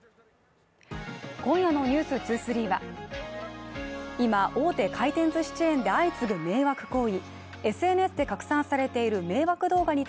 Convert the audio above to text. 今夜の「ｎｅｗｓ２３」は、今、大手回転ずしチェーンで相次ぐ迷惑行為。